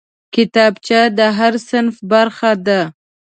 کتابچه د هر صنف برخه ده